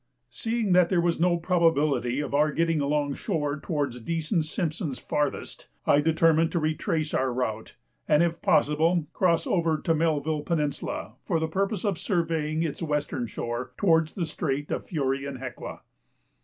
Seeing that there was no probability of our getting along shore towards Dease and Simpson's farthest, I determined to retrace our route, and if possible cross over to Melville Peninsula for the purpose of surveying its western shore, towards the Strait of the Fury and Hecla.